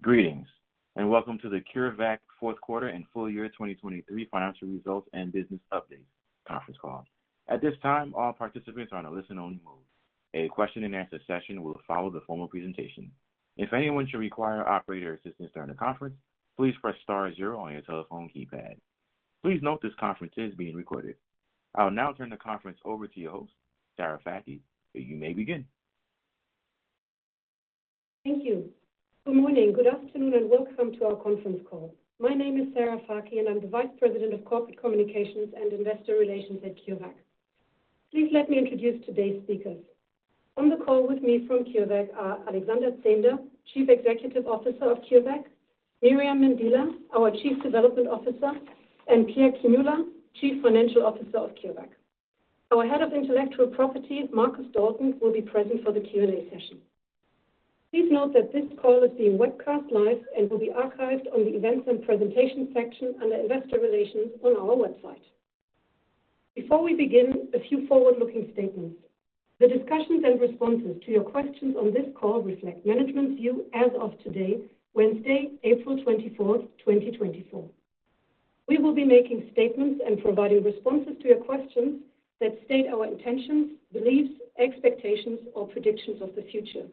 Greetings, and welcome to the CureVac fourth quarter and full year 2023 financial results and business updates conference call. At this time, all participants are in a listen-only mode. A question-and-answer session will follow the formal presentation. If anyone should require operator assistance during the conference, please press star zero on your telephone keypad. Please note this conference is being recorded. I'll now turn the conference over to your host, Sarah Fakih, and you may begin. Thank you. Good morning, good afternoon, and welcome to our conference call. My name is Sarah Fakih, and I'm the Vice President of Corporate Communications and Investor Relations at CureVac. Please let me introduce today's speakers. On the call with me from CureVac are Alexander Zehnder, Chief Executive Officer of CureVac; Myriam Mendila, our Chief Development Officer; and Pierre Kemula, Chief Financial Officer of CureVac. Our Head of Intellectual Property, Marcus Dalton, will be present for the Q&A session. Please note that this call is being webcast live and will be archived on the Events and Presentations section under Investor Relations on our website. Before we begin, a few forward-looking statements. The discussions and responses to your questions on this call reflect management's view as of today, Wednesday, April 24, 2024. We will be making statements and providing responses to your questions that state our intentions, beliefs, expectations, or predictions of the future.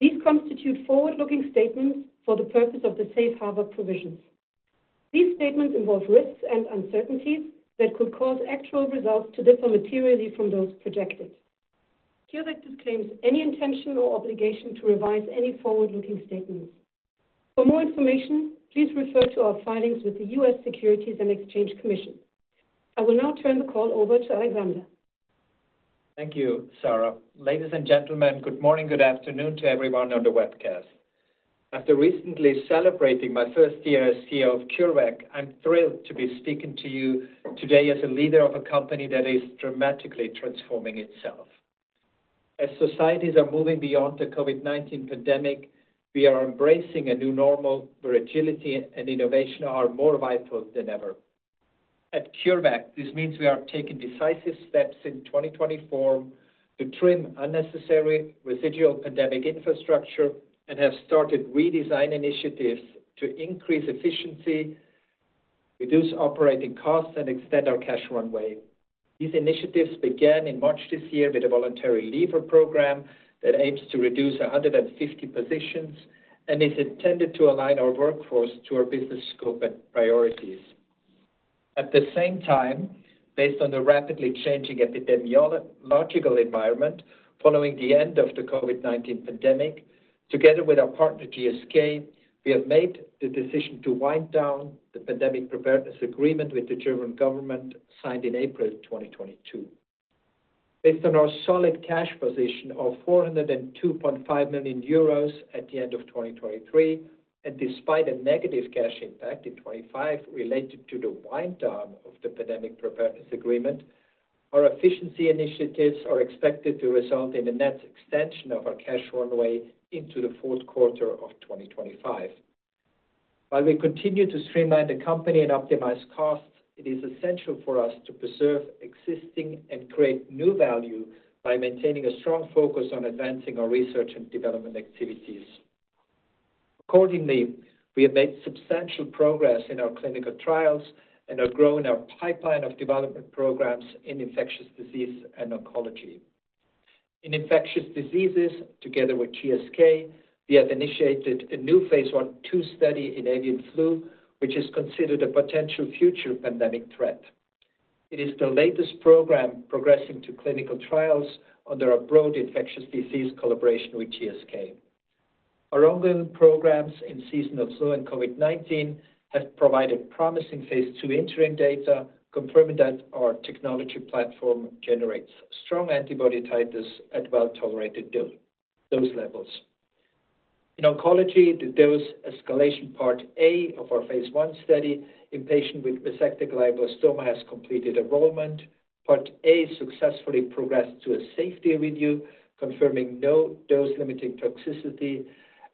These constitute forward-looking statements for the purpose of the Safe Harbor provisions. These statements involve risks and uncertainties that could cause actual results to differ materially from those projected. CureVac disclaims any intention or obligation to revise any forward-looking statements. For more information, please refer to our filings with the U.S. Securities and Exchange Commission. I will now turn the call over to Alexander. Thank you, Sarah. Ladies and gentlemen, good morning, good afternoon to everyone on the webcast. After recently celebrating my first year as CEO of CureVac, I'm thrilled to be speaking to you today as a leader of a company that is dramatically transforming itself. As societies are moving beyond the COVID-19 pandemic, we are embracing a new normal where agility and innovation are more vital than ever. At CureVac, this means we are taking decisive steps in 2024 to trim unnecessary residual pandemic infrastructure and have started redesign initiatives to increase efficiency, reduce operating costs, and extend our cash runway. These initiatives began in March this year with a voluntary leaver program that aims to reduce 150 positions and is intended to align our workforce to our business scope and priorities. At the same time, based on the rapidly changing epidemiological environment following the end of the COVID-19 pandemic, together with our partner GSK, we have made the decision to wind down the pandemic preparedness agreement with the German government signed in April 2022. Based on our solid cash position of 402.5 million euros at the end of 2023, and despite a negative cash impact in 2025 related to the wind down of the pandemic preparedness agreement, our efficiency initiatives are expected to result in a net extension of our cash runway into the fourth quarter of 2025. While we continue to streamline the company and optimize costs, it is essential for us to preserve existing and create new value by maintaining a strong focus on advancing our research and development activities. Accordingly, we have made substantial progress in our clinical trials and have grown our pipeline of development programs in infectious disease and oncology. In infectious diseases, together with GSK, we have initiated a new phase 1/2 study in avian flu, which is considered a potential future pandemic threat. It is the latest program progressing to clinical trials under a broad infectious disease collaboration with GSK. Our ongoing programs in seasonal flu and COVID-19 have provided promising phase II interim data confirming that our technology platform generates strong antibody titers at well-tolerated dose levels. In oncology, the dose escalation Part A of our phase I study in patients with resected glioblastoma has completed enrollment. Part A successfully progressed to a safety review confirming no dose-limiting toxicity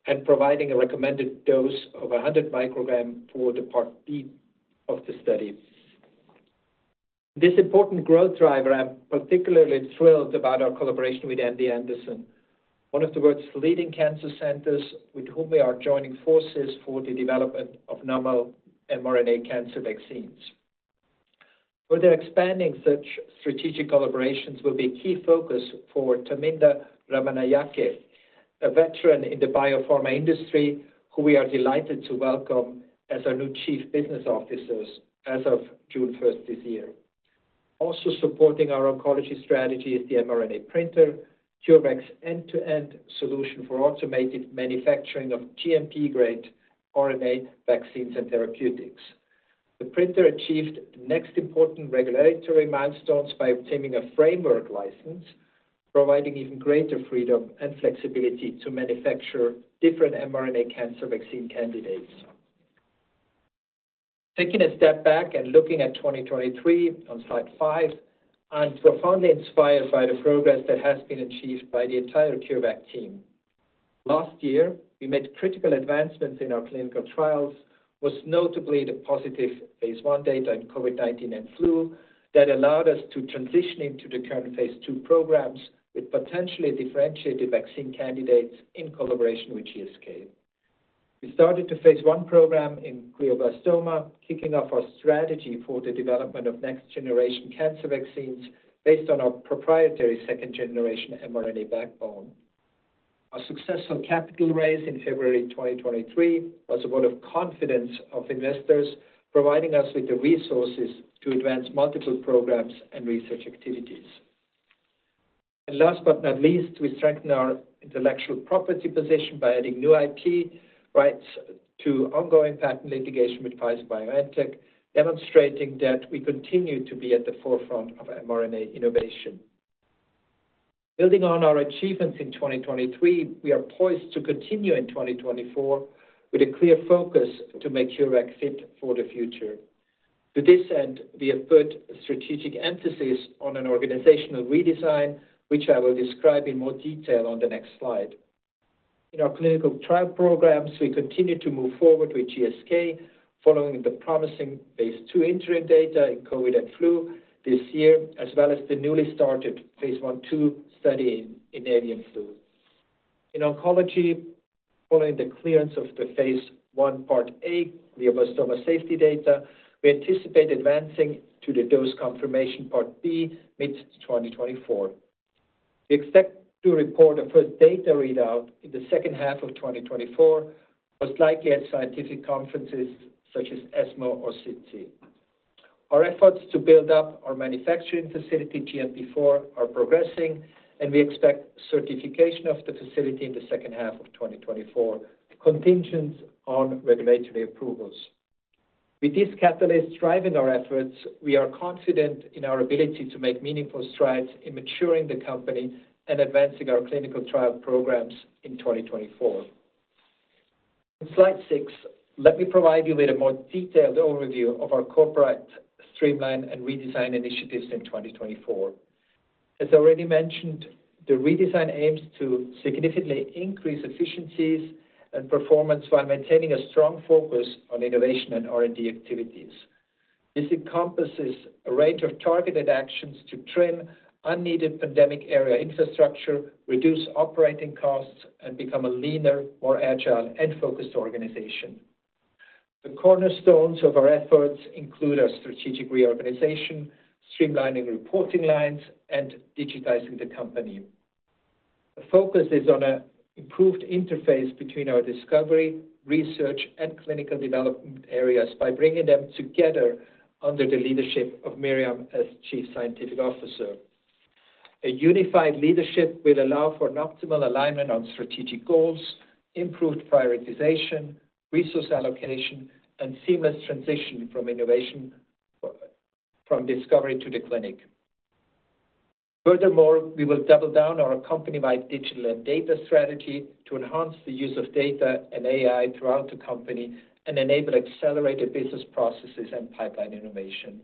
and providing a recommended dose of 100 mcg for the Part B of the study. This important growth driver, I'm particularly thrilled about our collaboration with MD Anderson, one of the world's leading cancer centers with whom we are joining forces for the development of normal mRNA cancer vaccines. Further expanding such strategic collaborations will be a key focus for Thaminda Ramanayake, a veteran in the biopharma industry who we are delighted to welcome as our new Chief Business Officer as of June 1st this year. Also supporting our oncology strategy is the mRNA printer, CureVac's end-to-end solution for automated manufacturing of GMP-grade RNA vaccines and therapeutics. The printer achieved the next important regulatory milestones by obtaining a framework license, providing even greater freedom and flexibility to manufacture different mRNA cancer vaccine candidates. Taking a step back and looking at 2023 on slide five, I'm profoundly inspired by the progress that has been achieved by the entire CureVac team. Last year, we made critical advancements in our clinical trials, most notably the positive phase I data in COVID-19 and flu that allowed us to transition into the current phase II programs with potentially differentiated vaccine candidates in collaboration with GSK. We started the phase I program in glioblastoma, kicking off our strategy for the development of next-generation cancer vaccines based on our proprietary second-generation mRNA backbone. Our successful capital raise in February 2023 was a vote of confidence of investors, providing us with the resources to advance multiple programs and research activities. Last but not least, we strengthened our intellectual property position by adding new IP rights to ongoing patent litigation with Pfizer-BioNTech, demonstrating that we continue to be at the forefront of mRNA innovation. Building on our achievements in 2023, we are poised to continue in 2024 with a clear focus to make CureVac fit for the future. To this end, we have put a strategic emphasis on an organizational redesign, which I will describe in more detail on the next slide. In our clinical trial programs, we continue to move forward with GSK following the promising phase II interim data in COVID and flu this year, as well as the newly started phase 1/2 study in avian flu. In oncology, following the clearance of the phase I Part A glioblastoma safety data, we anticipate advancing to the dose confirmation Part B mid-2024. We expect to report a first data readout in the second half of 2024, most likely at scientific conferences such as ESMO or SITC. Our efforts to build up our manufacturing facility, GMP4, are progressing, and we expect certification of the facility in the second half of 2024, contingent on regulatory approvals. With this catalyst driving our efforts, we are confident in our ability to make meaningful strides in maturing the company and advancing our clinical trial programs in 2024. On slide six, let me provide you with a more detailed overview of our corporate streamline and redesign initiatives in 2024. As already mentioned, the redesign aims to significantly increase efficiencies and performance while maintaining a strong focus on innovation and R&D activities. This encompasses a range of targeted actions to trim unneeded pandemic area infrastructure, reduce operating costs, and become a leaner, more agile, and focused organization. The cornerstones of our efforts include our strategic reorganization, streamlining reporting lines, and digitizing the company. The focus is on an improved interface between our discovery, research, and clinical development areas by bringing them together under the leadership of Myriam as Chief Scientific Officer. A unified leadership will allow for an optimal alignment on strategic goals, improved prioritization, resource allocation, and seamless transition from innovation from discovery to the clinic. Furthermore, we will double down on our company-wide digital and data strategy to enhance the use of data and AI throughout the company and enable accelerated business processes and pipeline innovation.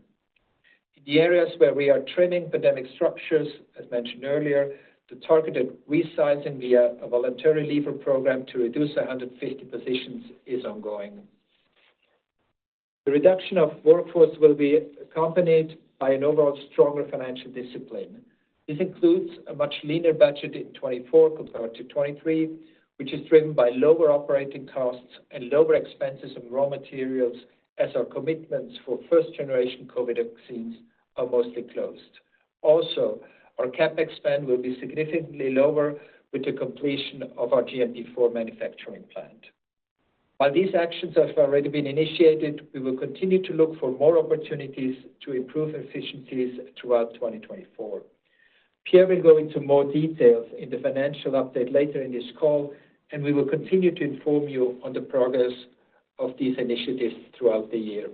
In the areas where we are trimming pandemic structures, as mentioned earlier, the targeted resizing via a voluntary leaver program to reduce 150 positions is ongoing. The reduction of workforce will be accompanied by an overall stronger financial discipline. This includes a much leaner budget in 2024 compared to 2023, which is driven by lower operating costs and lower expenses on raw materials as our commitments for first-generation COVID vaccines are mostly closed. Also, our CapEx spend will be significantly lower with the completion of our GMP4 manufacturing plant. While these actions have already been initiated, we will continue to look for more opportunities to improve efficiencies throughout 2024. Pierre will go into more details in the financial update later in this call, and we will continue to inform you on the progress of these initiatives throughout the year.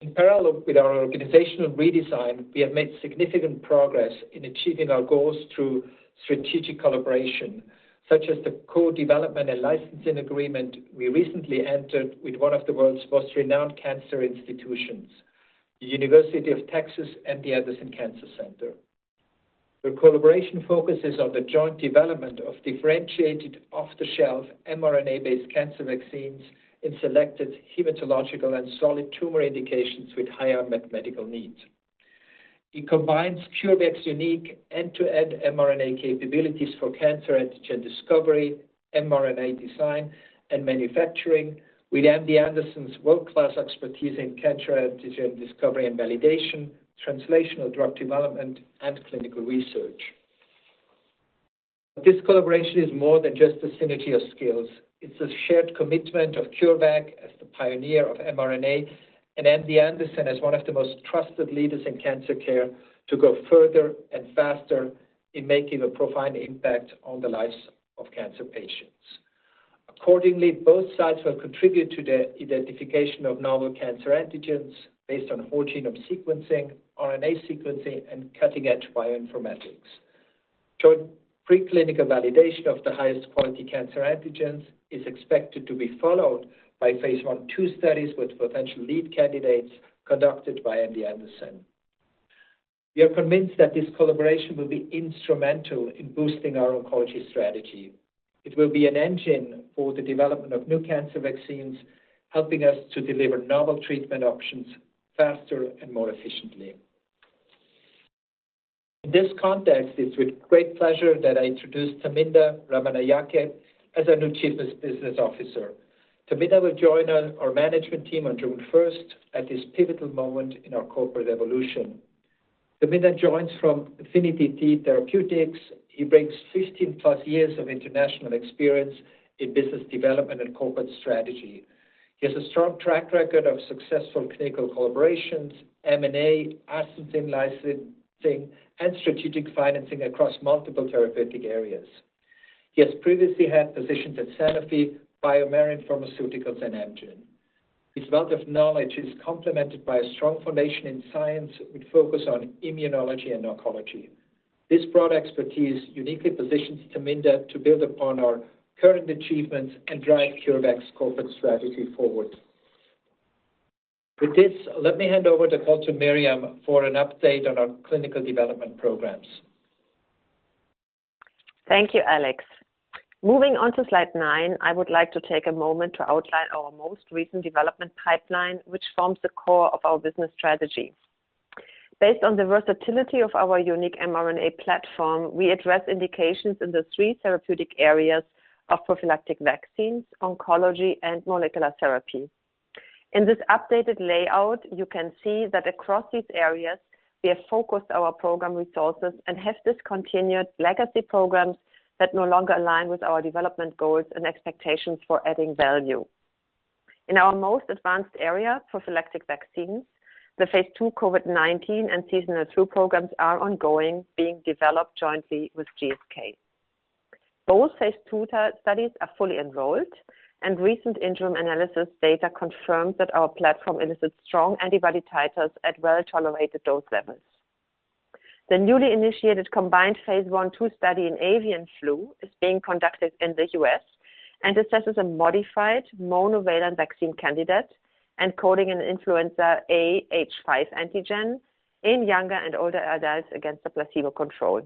In parallel with our organizational redesign, we have made significant progress in achieving our goals through strategic collaboration, such as the co-development and licensing agreement we recently entered with one of the world's most renowned cancer institutions, The University of Texas MD Anderson Cancer Center. The collaboration focuses on the joint development of differentiated off-the-shelf mRNA-based cancer vaccines in selected hematological and solid tumor indications with higher medical needs. It combines CureVac's unique end-to-end mRNA capabilities for cancer antigen discovery, mRNA design, and manufacturing with MD Anderson's world-class expertise in cancer antigen discovery and validation, translational drug development, and clinical research. This collaboration is more than just a synergy of skills. It's a shared commitment of CureVac as the pioneer of mRNA and MD Anderson as one of the most trusted leaders in cancer care to go further and faster in making a profound impact on the lives of cancer patients. Accordingly, both sides will contribute to the identification of novel cancer antigens based on whole genome sequencing, RNA sequencing, and cutting-edge bioinformatics. Short preclinical validation of the highest quality cancer antigens is expected to be followed by phase 1/2 studies with potential lead candidates conducted by MD Anderson. We are convinced that this collaboration will be instrumental in boosting our oncology strategy. It will be an engine for the development of new cancer vaccines, helping us to deliver novel treatment options faster and more efficiently. In this context, it's with great pleasure that I introduce Thaminda Ramanayake as our new Chief Business Officer. Thaminda will join our management team on June 1 at this pivotal moment in our corporate evolution. Thaminda joins from Affini-T Therapeutics. He brings 15+ years of international experience in business development and corporate strategy. He has a strong track record of successful clinical collaborations, M&A, and licensing, and strategic financing across multiple therapeutic areas. He has previously had positions at Sanofi, BioMarin Pharmaceuticals, and Amgen. His wealth of knowledge is complemented by a strong foundation in science with focus on immunology and oncology. This broad expertise uniquely positions Thaminda to build upon our current achievements and drive CureVac's corporate strategy forward. With this, let me hand over the call to Myriam for an update on our clinical development programs. Thank you, Alex. Moving on to slide nine, I would like to take a moment to outline our most recent development pipeline, which forms the core of our business strategy. Based on the versatility of our unique mRNA platform, we address indications in the three therapeutic areas of prophylactic vaccines, oncology, and molecular therapy. In this updated layout, you can see that across these areas, we have focused our program resources and have discontinued legacy programs that no longer align with our development goals and expectations for adding value. In our most advanced area, prophylactic vaccines, the phase II COVID-19 and seasonal flu programs are ongoing, being developed jointly with GSK. Both phase II studies are fully enrolled, and recent interim analysis data confirms that our platform elicits strong antibody titers at well-tolerated dose levels. The newly initiated combined phase 1/2 study in avian flu is being conducted in the U.S. and assesses a modified monovalent vaccine candidate encoding an influenza A H5 antigen in younger and older adults against a placebo control.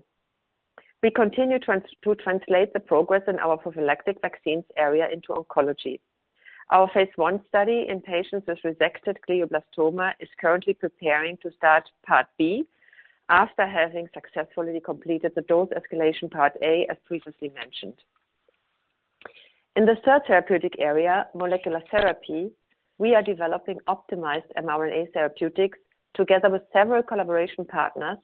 We continue to translate the progress in our prophylactic vaccines area into oncology. Our phase 1 study in patients with resected glioblastoma is currently preparing to start Part B after having successfully completed the dose escalation Part A, as previously mentioned. In the third therapeutic area, molecular therapy, we are developing optimized mRNA therapeutics together with several collaboration partners,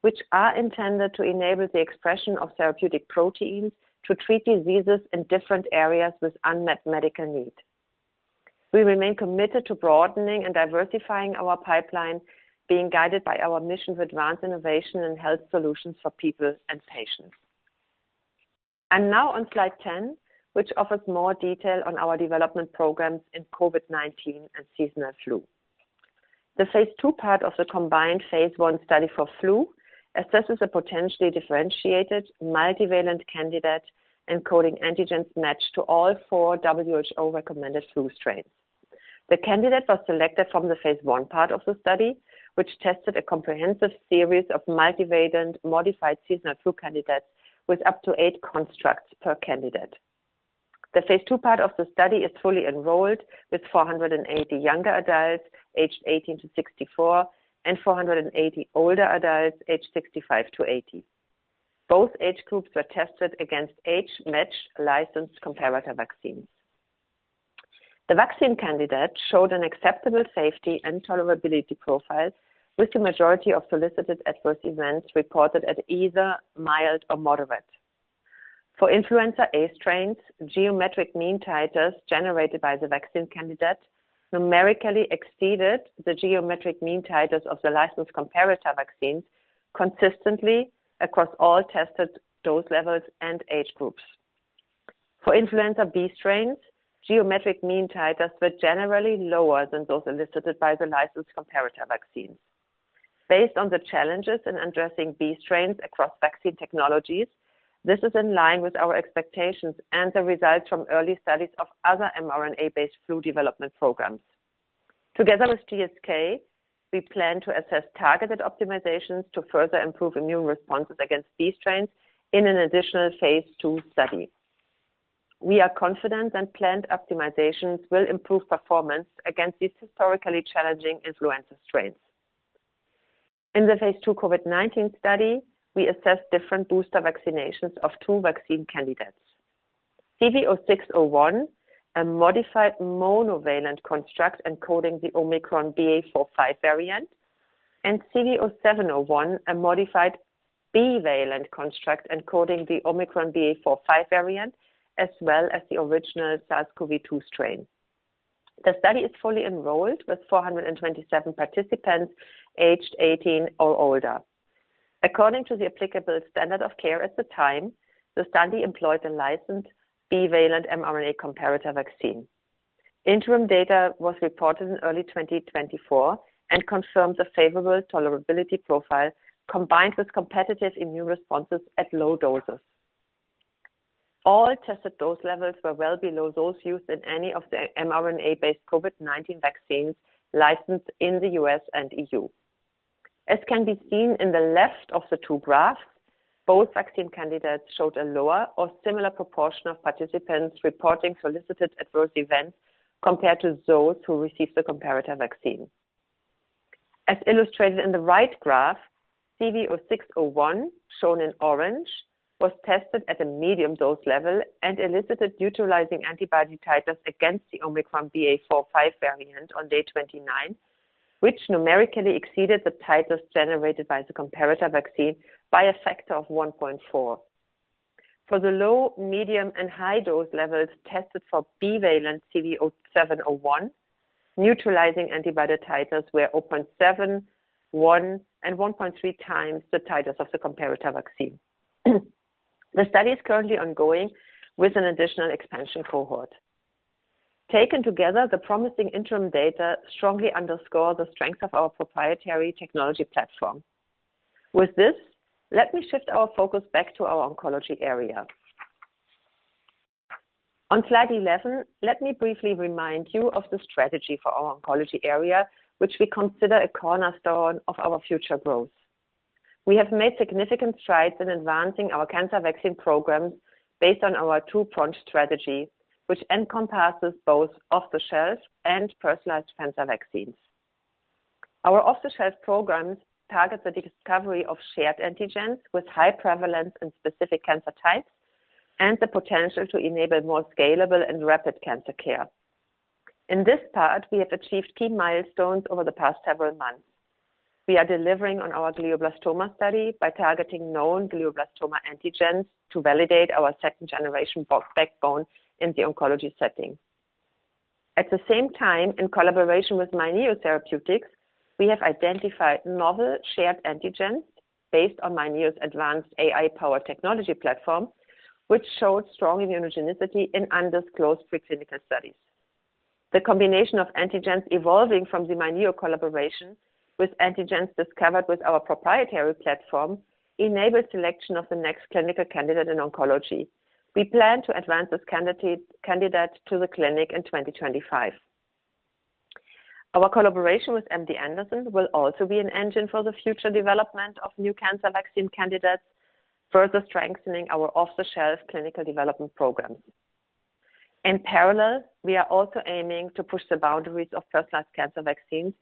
which are intended to enable the expression of therapeutic proteins to treat diseases in different areas with unmet medical need. We remain committed to broadening and diversifying our pipeline, being guided by our mission of advanced innovation and health solutions for people and patients. I'm now on slide 10, which offers more detail on our development programs in COVID-19 and seasonal flu. The phase II part of the combined phase I study for flu assesses a potentially differentiated multivalent candidate encoding antigens matched to all four WHO-recommended flu strains. The candidate was selected from the phase I part of the study, which tested a comprehensive series of multivalent modified seasonal flu candidates with up to 8 constructs per candidate. The phase II part of the study is fully enrolled with 480 younger adults aged 18-64 and 480 older adults aged 65-80. Both age groups were tested against age-matched licensed comparative vaccines. The vaccine candidate showed an acceptable safety and tolerability profile, with the majority of solicited adverse events reported at either mild or moderate. For influenza A strains, geometric mean titers generated by the vaccine candidate numerically exceeded the geometric mean titers of the licensed comparative vaccines consistently across all tested dose levels and age groups. For influenza B strains, geometric mean titers were generally lower than those elicited by the licensed comparative vaccines. Based on the challenges in addressing B strains across vaccine technologies, this is in line with our expectations and the results from early studies of other mRNA-based flu development programs. Together with GSK, we plan to assess targeted optimizations to further improve immune responses against B strains in an additional phase II study. We are confident that planned optimizations will improve performance against these historically challenging influenza strains. In the phase II COVID-19 study, we assessed different booster vaccinations of two vaccine candidates: CV0601, a modified monovalent construct encoding the Omicron BA.4/5 variant, and CV0701, a modified bivalent construct encoding the Omicron BA.4/5 variant, as well as the original SARS-CoV-2 strain. The study is fully enrolled with 427 participants aged 18 or older. According to the applicable standard of care at the time, the study employed a licensed bivalent mRNA comparative vaccine. Interim data was reported in early 2024 and confirmed a favorable tolerability profile combined with competitive immune responses at low doses. All tested dose levels were well below those used in any of the mRNA-based COVID-19 vaccines licensed in the U.S. and EU. As can be seen in the left of the two graphs, both vaccine candidates showed a lower or similar proportion of participants reporting solicited adverse events compared to those who received the comparative vaccine. As illustrated in the right graph, CV0601, shown in orange, was tested at a medium dose level and elicited utilizing antibody titers against the Omicron BA.4/5 variant on day 29, which numerically exceeded the titers generated by the comparative vaccine by a factor of 1.4. For the low, medium, and high dose levels tested for bivalent CV0701, neutralizing antibody titers were 0.7, 1, and 1.3 times the titers of the comparative vaccine. The study is currently ongoing with an additional expansion cohort. Taken together, the promising interim data strongly underscore the strengths of our proprietary technology platform. With this, let me shift our focus back to our oncology area. On slide 11, let me briefly remind you of the strategy for our oncology area, which we consider a cornerstone of our future growth. We have made significant strides in advancing our cancer vaccine programs based on our two-pronged strategy, which encompasses both off-the-shelf and personalized cancer vaccines. Our off-the-shelf programs target the discovery of shared antigens with high prevalence in specific cancer types and the potential to enable more scalable and rapid cancer care. In this part, we have achieved key milestones over the past several months. We are delivering on our glioblastoma study by targeting known glioblastoma antigens to validate our second-generation backbone in the oncology setting. At the same time, in collaboration with myNEO Therapeutics, we have identified novel shared antigens based on myNEO's advanced AI-powered technology platform, which showed strong immunogenicity in undisclosed preclinical studies. The combination of antigens evolving from the myNEO collaboration with antigens discovered with our proprietary platform enabled selection of the next clinical candidate in oncology. We plan to advance this candidate to the clinic in 2025. Our collaboration with MD Anderson will also be an engine for the future development of new cancer vaccine candidates, further strengthening our off-the-shelf clinical development programs. In parallel, we are also aiming to push the boundaries of personalized cancer vaccines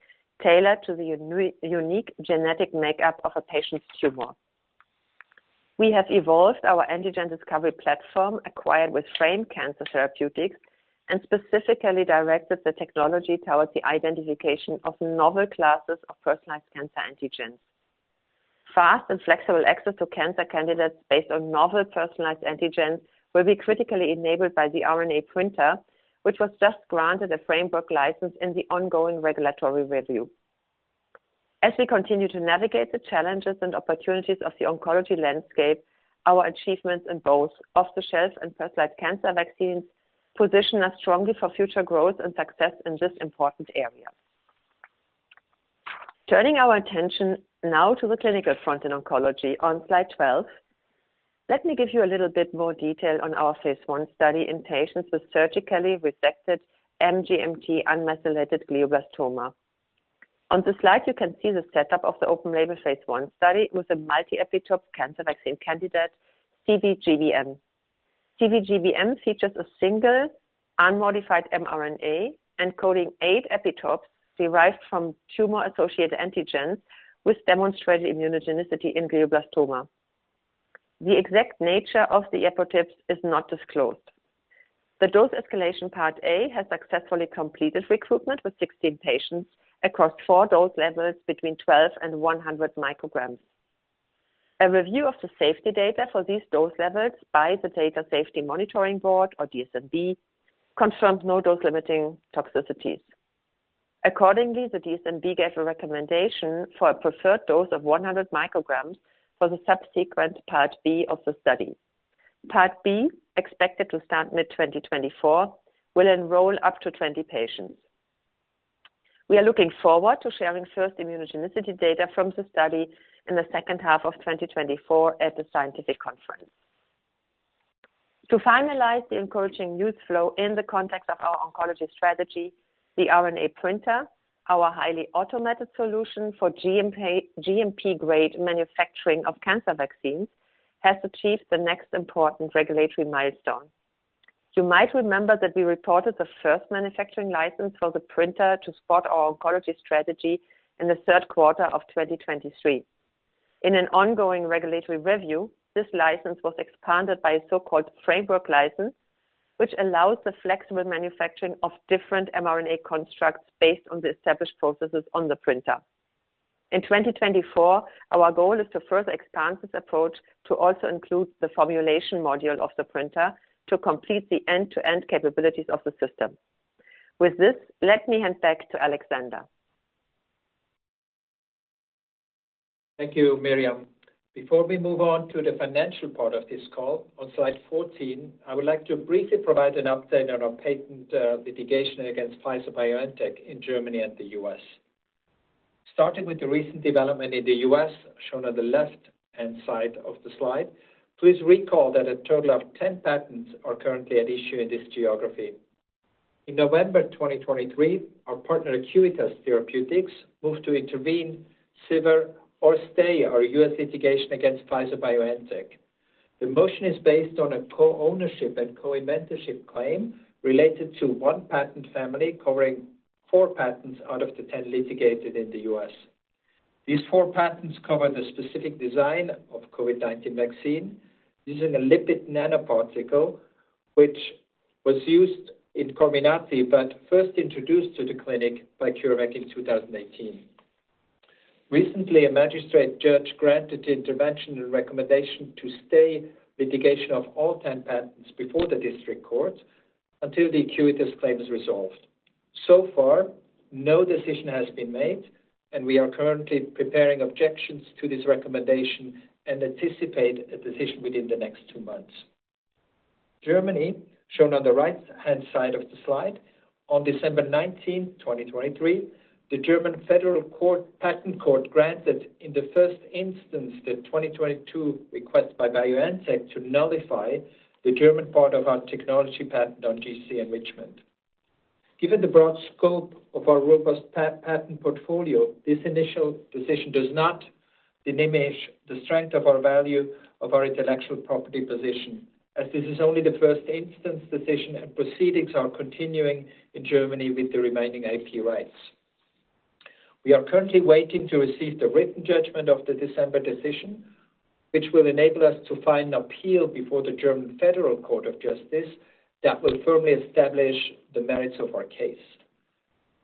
tailored to the unique genetic makeup of a patient's tumor. We have evolved our antigen discovery platform acquired with Frame Cancer Therapeutics and specifically directed the technology towards the identification of novel classes of personalized cancer antigens. Fast and flexible access to cancer candidates based on novel personalized antigens will be critically enabled by the RNA Printer, which was just granted a framework license in the ongoing regulatory review. As we continue to navigate the challenges and opportunities of the oncology landscape, our achievements in both off-the-shelf and personalized cancer vaccines position us strongly for future growth and success in this important area. Turning our attention now to the clinical front in oncology on slide 12, let me give you a little bit more detail on our phase I study in patients with surgically resected MGMT unmethylated glioblastoma. On the slide, you can see the setup of the open-label phase I study with a multi-epitope cancer vaccine candidate, CVGBM. CVGBM features a single unmodified mRNA encoding eight epitopes derived from tumor-associated antigens with demonstrated immunogenicity in glioblastoma. The exact nature of the epitopes is not disclosed. The dose escalation Part A has successfully completed recruitment with 16 patients across four dose levels between 12-100 mcg. A review of the safety data for these dose levels by the Data Safety Monitoring Board, or DSMB, confirmed no dose-limiting toxicities. Accordingly, the DSMB gave a recommendation for a preferred dose of 100 mcg for the subsequent Part B of the study. Part B, expected to start mid-2024, will enroll up to 20 patients. We are looking forward to sharing first immunogenicity data from the study in the second half of 2024 at the scientific conference. To finalize the encouraging news flow in the context of our oncology strategy, the RNA Printer, our highly automated solution for GMP-grade manufacturing of cancer vaccines, has achieved the next important regulatory milestone. You might remember that we reported the first manufacturing license for the printer to support our oncology strategy in the third quarter of 2023. In an ongoing regulatory review, this license was expanded by a so-called framework license, which allows the flexible manufacturing of different mRNA constructs based on the established processes on the printer. In 2024, our goal is to further expand this approach to also include the formulation module of the printer to complete the end-to-end capabilities of the system. With this, let me hand back to Alexander. Thank you, Myriam. Before we move on to the financial part of this call, on slide 14, I would like to briefly provide an update on our patent litigation against Pfizer-BioNTech in Germany and the U.S. Starting with the recent development in the U.S., shown on the left-hand side of the slide, please recall that a total of 10 patents are currently at issue in this geography. In November 2023, our partner Acuitas Therapeutics moved to intervene, sever, or stay our U.S. litigation against Pfizer-BioNTech. The motion is based on a co-ownership and co-inventorship claim related to one patent family covering four patents out of the 10 litigated in the U.S. These four patents cover the specific design of COVID-19 vaccine using a lipid nanoparticle, which was used in Comirnaty but first introduced to the clinic by CureVac in 2018. Recently, a magistrate judge granted intervention and recommendation to stay litigation of all 10 patents before the district court until the Acuitas claim is resolved. So far, no decision has been made, and we are currently preparing objections to this recommendation and anticipate a decision within the next two months. Germany, shown on the right-hand side of the slide, on December 19, 2023, the German Federal Patent Court granted, in the first instance, the 2022 request by BioNTech to nullify the German part of our technology patent on GC enrichment. Given the broad scope of our robust patent portfolio, this initial decision does not diminish the strength of our value of our intellectual property position, as this is only the first instance decision, and proceedings are continuing in Germany with the remaining IP rights. We are currently waiting to receive the written judgment of the December decision, which will enable us to file an appeal before the German Federal Court of Justice that will firmly establish the merits of our case.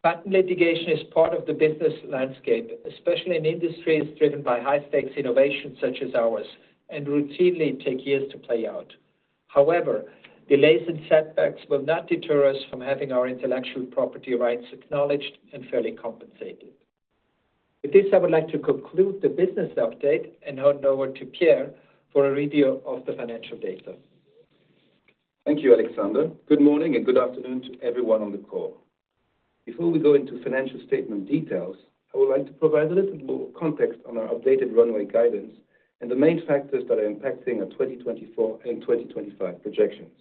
Patent litigation is part of the business landscape, especially in industries driven by high-stakes innovation such as ours, and routinely take years to play out. However, delays and setbacks will not deter us from having our intellectual property rights acknowledged and fairly compensated. With this, I would like to conclude the business update and hand over to Pierre for a review of the financial data. Thank you, Alexander. Good morning and good afternoon to everyone on the call. Before we go into financial statement details, I would like to provide a little more context on our updated runway guidance and the main factors that are impacting our 2024 and 2025 projections.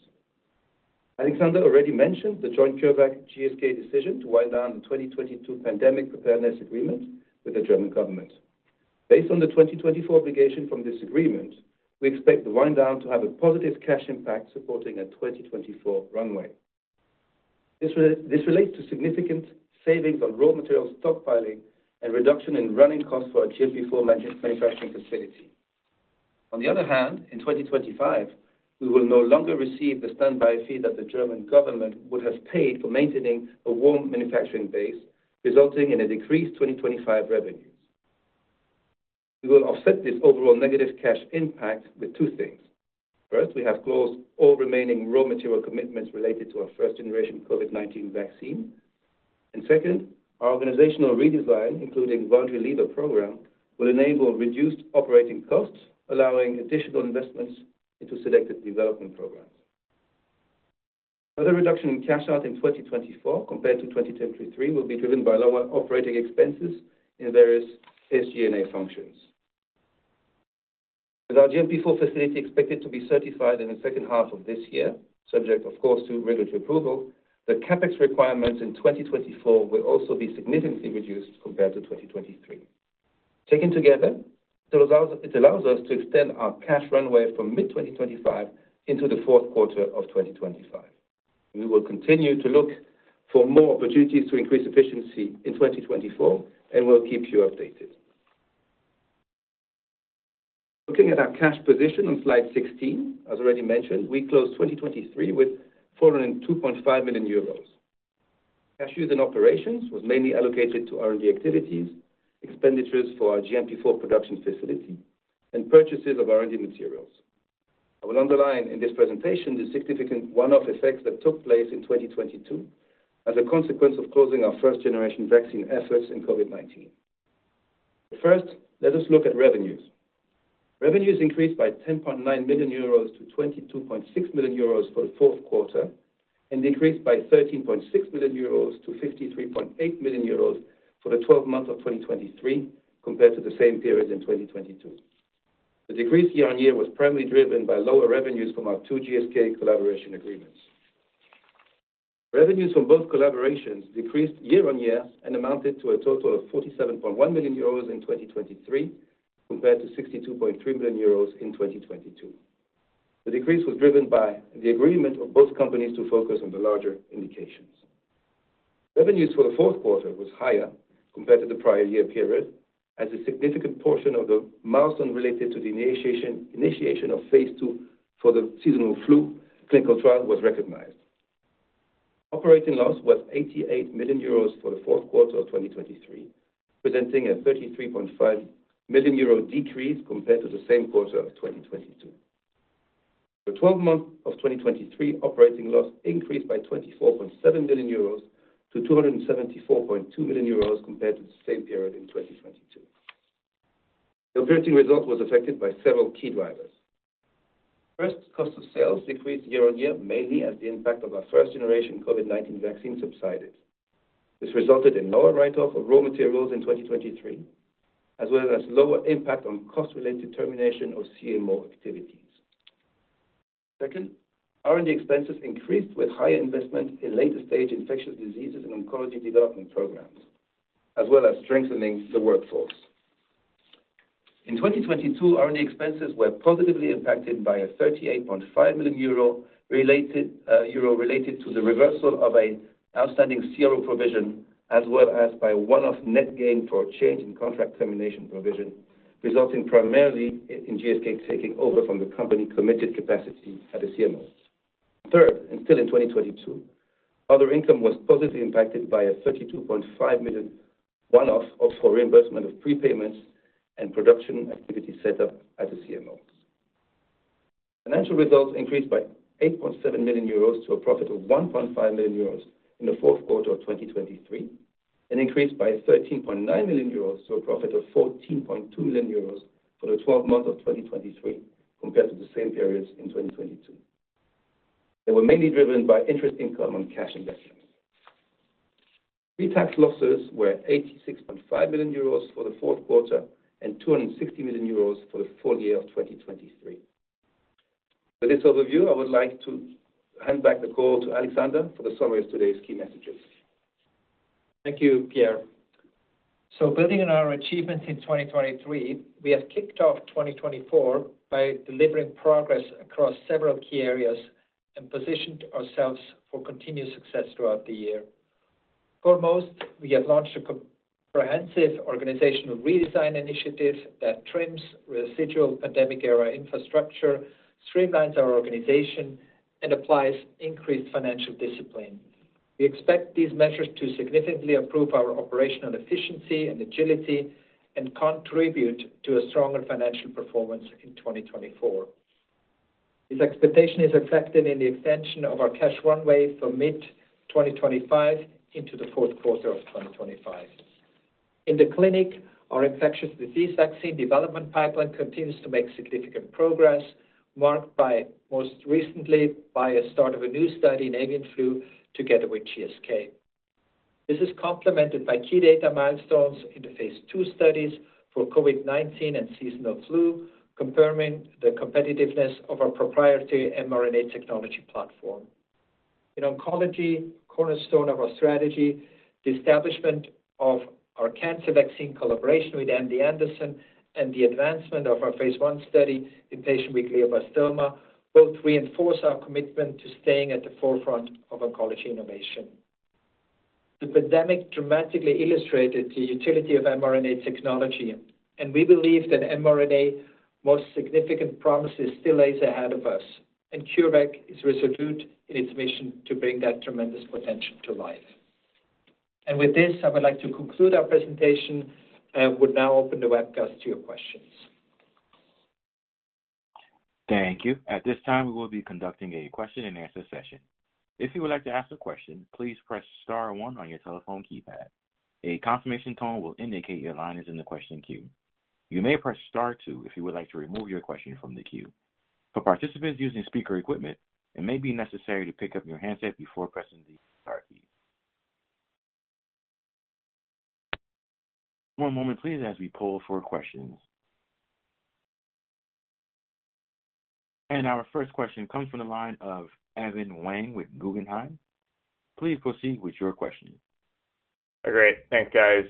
Alexander already mentioned the joint CureVac-GSK decision to wind down the 2022 pandemic preparedness agreement with the German government. Based on the 2024 obligation from this agreement, we expect the wind down to have a positive cash impact supporting a 2024 runway. This relates to significant savings on raw materials stockpiling and reduction in running costs for our GMP4 manufacturing facility. On the other hand, in 2025, we will no longer receive the standby fee that the German government would have paid for maintaining a warm manufacturing base, resulting in decreased 2025 revenues. We will offset this overall negative cash impact with two things. First, we have closed all remaining raw material commitments related to our first-generation COVID-19 vaccine. And second, our organizational redesign, including voluntary leaver program, will enable reduced operating costs, allowing additional investments into selected development programs. Further reduction in cash out in 2024 compared to 2023 will be driven by lower operating expenses in various SG&A functions. With our GMP4 facility expected to be certified in the second half of this year, subject, of course, to regulatory approval, the CapEx requirements in 2024 will also be significantly reduced compared to 2023. Taken together, it allows us to extend our cash runway from mid-2025 into the fourth quarter of 2025. We will continue to look for more opportunities to increase efficiency in 2024, and we'll keep you updated. Looking at our cash position on slide 16, as already mentioned, we closed 2023 with 402.5 million euros. Cash used in operations was mainly allocated to R&D activities, expenditures for our GMP4 production facility, and purchases of R&D materials. I will underline in this presentation the significant one-off effects that took place in 2022 as a consequence of closing our first-generation vaccine efforts in COVID-19. But first, let us look at revenues. Revenues increased by 10.9 million euros to 22.6 million euros for the fourth quarter and decreased by 13.6 million euros to 53.8 million euros for the 12 months of 2023 compared to the same period in 2022. The decrease year-on-year was primarily driven by lower revenues from our two GSK collaboration agreements. Revenues from both collaborations decreased year-on-year and amounted to a total of 47.1 million euros in 2023 compared to 62.3 million euros in 2022. The decrease was driven by the agreement of both companies to focus on the larger indications. Revenues for the fourth quarter were higher compared to the prior year period, as a significant portion of the milestone related to the initiation of phase II for the seasonal flu clinical trial was recognized. Operating loss was 88 million euros for the fourth quarter of 2023, presenting a 33.5 million euro decrease compared to the same quarter of 2022. For the 12 months of 2023, operating loss increased by 24.7 million euros to 274.2 million euros compared to the same period in 2022. The operating result was affected by several key drivers. First, cost of sales decreased year-on-year, mainly as the impact of our first-generation COVID-19 vaccine subsided. This resulted in lower write-off of raw materials in 2023, as well as lower impact on cost-related termination of CMO activities. Second, R&D expenses increased with higher investment in later-stage infectious diseases and oncology development programs, as well as strengthening the workforce. In 2022, R&D expenses were positively impacted by a 38.5 million euro related to the reversal of an outstanding CRO provision, as well as by one-off net gain for change in contract termination provision, resulting primarily in GSK taking over from the company-committed capacity at a CMO. Third, and still in 2022, other income was positively impacted by a 32.5 million one-off for reimbursement of prepayments and production activity setup at a CMO. Financial results increased by 8.7 million euros to a profit of 1.5 million euros in the fourth quarter of 2023 and increased by 13.9 million euros to a profit of 14.2 million euros for the 12 months of 2023 compared to the same periods in 2022. They were mainly driven by interest income on cash investments. Pre-tax losses were 86.5 million euros for the fourth quarter and 260 million euros for the full year of 2023. With this overview, I would like to hand back the call to Alexander for the summary of today's key messages. Thank you, Pierre. So building on our achievements in 2023, we have kicked off 2024 by delivering progress across several key areas and positioned ourselves for continued success throughout the year. Foremost, we have launched a comprehensive organizational redesign initiative that trims residual pandemic-era infrastructure, streamlines our organization, and applies increased financial discipline. We expect these measures to significantly improve our operational efficiency and agility and contribute to a stronger financial performance in 2024. This expectation is reflected in the extension of our cash runway for mid-2025 into the fourth quarter of 2025. In the clinic, our infectious disease vaccine development pipeline continues to make significant progress, marked most recently by a start of a new study in avian flu together with GSK. This is complemented by key data milestones in the phase II studies for COVID-19 and seasonal flu, confirming the competitiveness of our proprietary mRNA technology platform. In oncology, cornerstone of our strategy, the establishment of our cancer vaccine collaboration with MD Anderson and the advancement of our phase I study in patients with glioblastoma both reinforce our commitment to staying at the forefront of oncology innovation. The pandemic dramatically illustrated the utility of mRNA technology, and we believe that mRNA's most significant promises still lay ahead of us, and CureVac is resolute in its mission to bring that tremendous potential to life. And with this, I would like to conclude our presentation and would now open the webcast to your questions. Thank you. At this time, we will be conducting a question-and-answer session. If you would like to ask a question, please press star one on your telephone keypad. A confirmation tone will indicate your line is in the question queue. You may press star two if you would like to remove your question from the queue. For participants using speaker equipment, it may be necessary to pick up your handset before pressing the star key. One moment, please, as we pull for questions. And our first question comes from the line of Evan Wang with Guggenheim. Please proceed with your question. All right. Thanks, guys.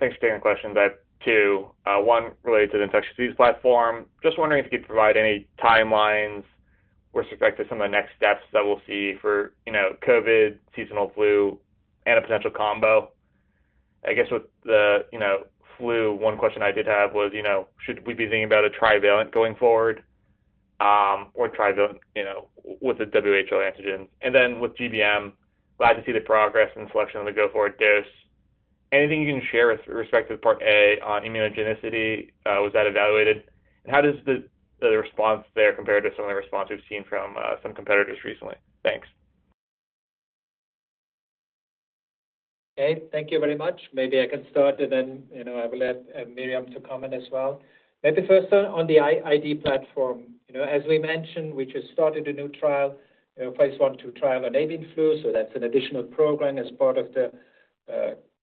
Thanks for taking the questions. I have two. One related to the infectious disease platform. Just wondering if you could provide any timelines with respect to some of the next steps that we'll see for COVID, seasonal flu, and a potential combo. I guess with the flu, one question I did have was, should we be thinking about a trivalent going forward or trivalent with the WHO antigens? And then with GBM, glad to see the progress and selection of the go-forward dose. Anything you can share with respect to part A on immunogenicity? Was that evaluated? And how does the response there compare to some of the responses we've seen from some competitors recently? Thanks. Okay. Thank you very much. Maybe I can start, and then I will let Myriam comment as well. Maybe first on the ID platform. As we mentioned, we just started a new trial, phase 1/2 trial on avian flu. So that's an additional program as part of the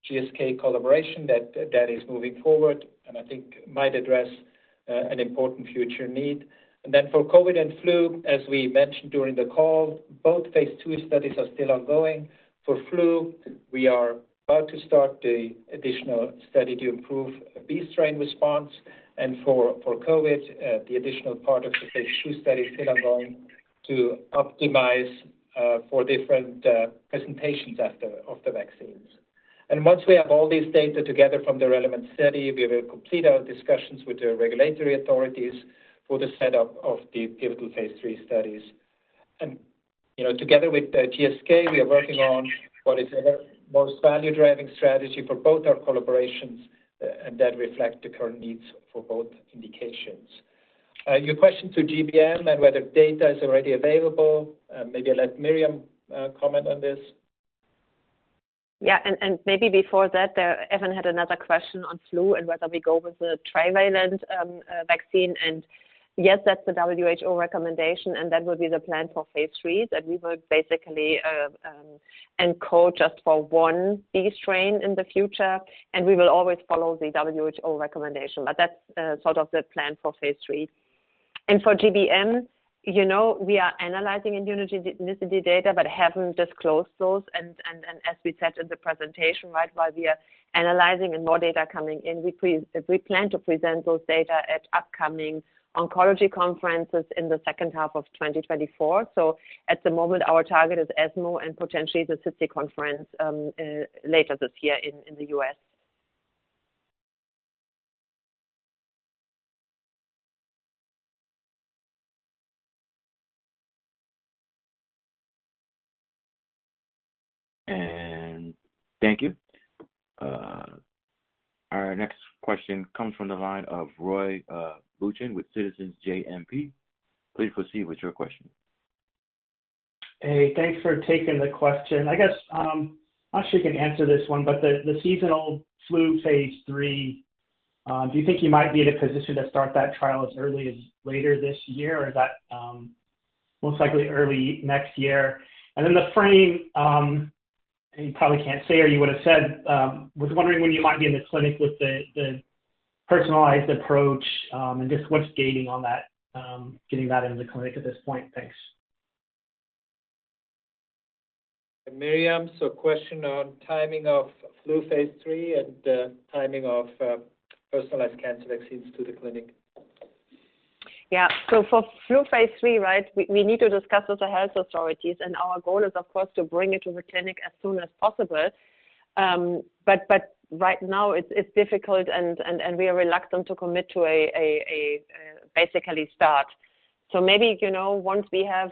GSK collaboration that is moving forward and I think might address an important future need. And then for COVID and flu, as we mentioned during the call, both phase II studies are still ongoing. For flu, we are about to start the additional study to improve B strain response. And for COVID, the additional part of the phase II study is still ongoing to optimize for different presentations of the vaccines. And once we have all this data together from the relevant study, we will complete our discussions with the regulatory authorities for the setup of the pivotal phase III studies. Together with the GSK, we are working on what is the most value-driving strategy for both our collaborations and that reflect the current needs for both indications. Your question to GBM and whether data is already available. Maybe let Myriam comment on this. Yeah. Maybe before that, Evan had another question on flu and whether we go with a trivalent vaccine. Yes, that's the WHO recommendation, and that will be the plan for phase III, that we will basically encode just for one B strain in the future. We will always follow the WHO recommendation, but that's sort of the plan for phase III. For GBM, we are analyzing immunogenicity data but haven't disclosed those. As we said in the presentation, right, while we are analyzing and more data coming in, we plan to present those data at upcoming oncology conferences in the second half of 2024. So at the moment, our target is ESMO and potentially the SITC conference later this year in the U.S. And thank you. Our next question comes from the line of Roy Buchanan with Citizens JMP. Please proceed with your question. Hey, thanks for taking the question. I guess I'm not sure you can answer this one, but the seasonal flu phase III, do you think you might be in a position to start that trial as early as later this year, or is that most likely early next year? And then the Frame, you probably can't say or you would have said, was wondering when you might be in the clinic with the personalized approach and just what's going on getting that into the clinic at this point. Thanks. And Myriam, so question on timing of flu phase III and timing of personalized cancer vaccines to the clinic. Yeah. So for flu phase III, right, we need to discuss with the health authorities. And our goal is, of course, to bring it to the clinic as soon as possible. But right now, it's difficult, and we are reluctant to commit to basically a start. So maybe once we have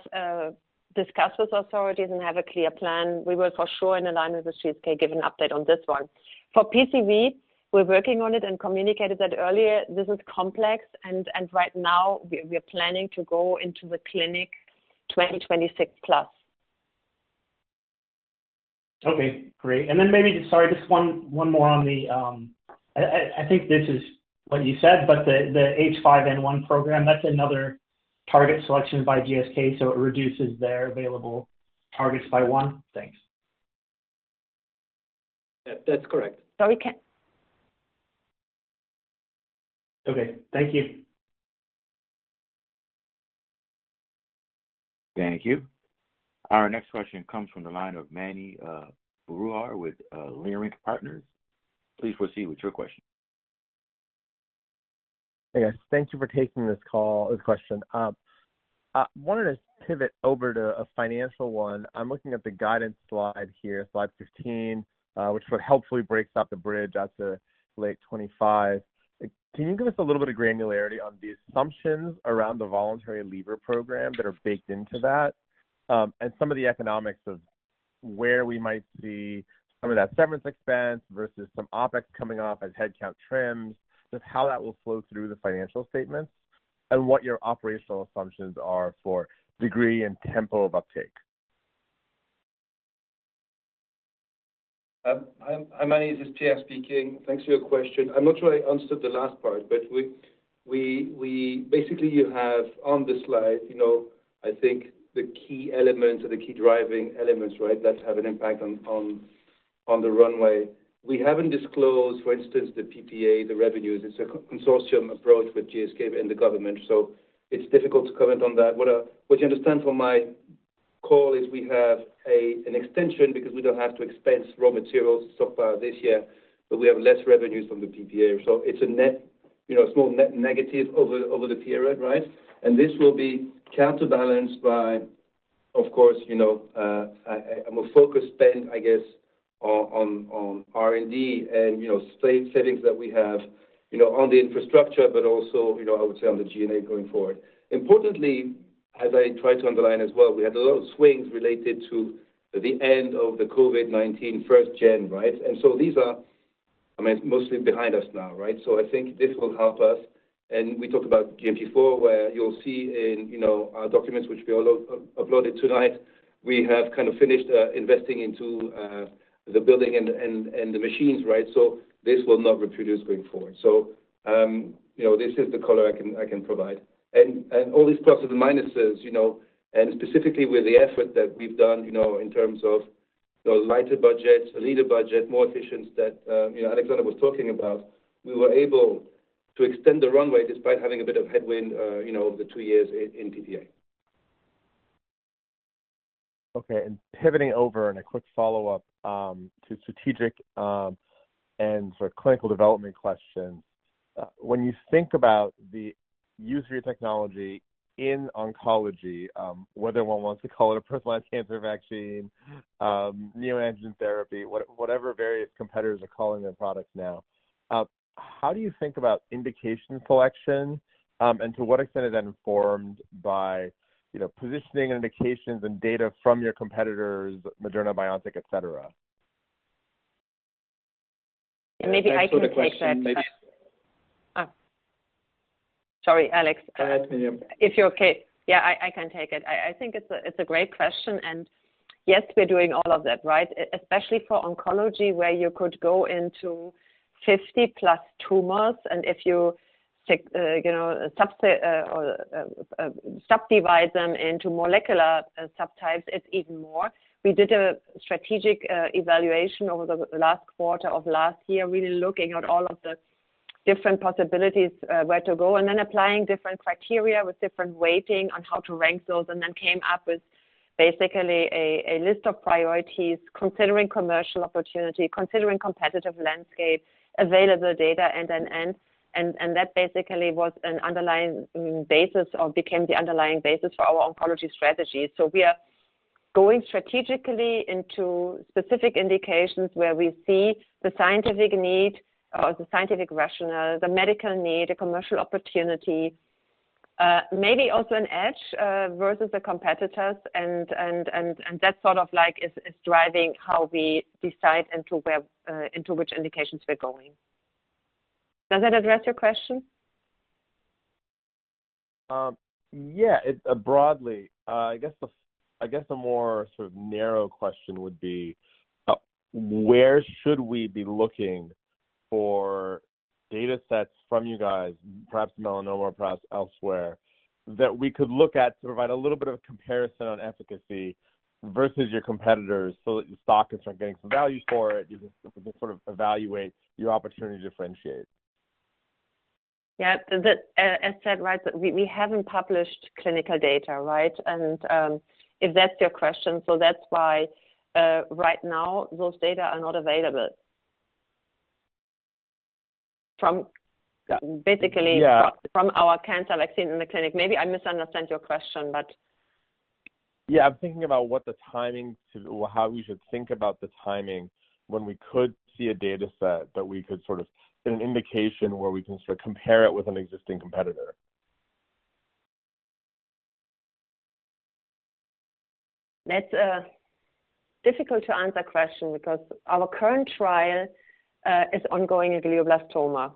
discussed with authorities and have a clear plan, we will for sure, in alignment with GSK, give an update on this one. For PCV, we're working on it and communicated that earlier. This is complex, and right now, we are planning to go into the clinic 2026+. Okay. Great. And then maybe, sorry, just one more on the I think this is what you said, but the H5N1 program, that's another target selection by GSK, so it reduces their available targets by one. Thanks. That's correct. Sorry. Okay. Thank you. Thank you. Our next question comes from the line of Mani Foroohar with Leerink Partners. Please proceed with your question. Hey, guys. Thank you for taking this call or the question. I wanted to pivot over to a financial one. I'm looking at the guidance slide here, slide 15, which helpfully breaks off the bridge out to late 2025. Can you give us a little bit of granularity on the assumptions around the voluntary lever program that are baked into that and some of the economics of where we might see some of that severance expense versus some OpEx coming off as headcount trims, just how that will flow through the financial statements, and what your operational assumptions are for degree and tempo of uptake? Hi, Mani. This is Pierre speaking. Thanks for your question. I'm not sure I answered the last part, but basically, you have on the slide, I think, the key elements or the key driving elements, right, that have an impact on the runway. We haven't disclosed, for instance, the PPA, the revenues. It's a consortium approach with GSK and the government, so it's difficult to comment on that. What you understand from my call is we have an extension because we don't have to expense raw materials and stockpiles this year, but we have less revenues from the PPA. So it's a small net negative over the period, right? And this will be counterbalanced by, of course, a more focused spend, I guess, on R&D and savings that we have on the infrastructure, but also, I would say, on the G&A going forward. Importantly, as I tried to underline as well, we had a lot of swings related to the end of the COVID-19 first gen, right? And so these are, I mean, mostly behind us now, right? So I think this will help us. And we talked about GMP4 where you'll see in our documents, which we uploaded tonight, we have kind of finished investing into the building and the machines, right? So this will not reproduce going forward. So this is the color I can provide. And all these pluses and minuses, and specifically with the effort that we've done in terms of lighter budgets, a leaner budget, more efficiency that Alexander was talking about, we were able to extend the runway despite having a bit of headwind over the two years in PPA. Okay. And pivoting over and a quick follow-up to strategic and sort of clinical development questions. When you think about the use of your technology in oncology, whether one wants to call it a personalized cancer vaccine, neoantigen therapy, whatever various competitors are calling their products now, how do you think about indication selection and to what extent is that informed by positioning and indications and data from your competitors, Moderna, BioNTech, etc.? And maybe I can take that. Sorry, Alex. Go ahead, Myriam. If you're okay. Yeah, I can take it. I think it's a great question. And yes, we're doing all of that, right, especially for oncology where you could go into 50+ tumors, and if you subdivide them into molecular subtypes, it's even more. We did a strategic evaluation over the last quarter of last year, really looking at all of the different possibilities where to go and then applying different criteria with different weighting on how to rank those and then came up with basically a list of priorities, considering commercial opportunity, considering competitive landscape, available data, and then end. And that basically was an underlying basis or became the underlying basis for our oncology strategy. So we are going strategically into specific indications where we see the scientific need or the scientific rationale, the medical need, the commercial opportunity, maybe also an edge versus the competitors, and that sort of is driving how we decide into which indications we're going. Does that address your question? Yeah, broadly. I guess a more sort of narrow question would be, where should we be looking for datasets from you guys, perhaps melanoma, perhaps elsewhere, that we could look at to provide a little bit of a comparison on efficacy versus your competitors so that your stock is getting some value for it? We can sort of evaluate your opportunity to differentiate. Yeah. As said, right, we haven't published clinical data, right? And if that's your question, so that's why right now, those data are not available from basically our cancer vaccine in the clinic. Maybe I misunderstand your question, but yeah. I'm thinking about what the timing to how we should think about the timing when we could see a dataset that we could sort of get an indication where we can sort of compare it with an existing competitor. That's a difficult-to-answer question because our current trial is ongoing in glioblastoma.